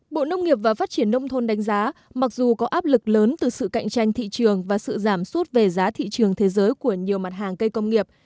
bộ nông nghiệp và phát triển nông thôn đánh giá mặc dù có áp lực lớn từ sự cạnh tranh thị trường và sự giảm suốt về giá thị trường thế giới của nhiều mặt hàng cây công nghiệp